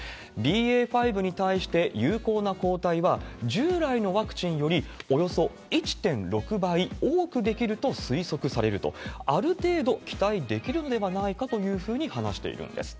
ＢＡ．５に対して有効な抗体は、従来のワクチンより、およそ１．６倍多くできると推測されると、ある程度期待できるのではないかというふうに話しているんです。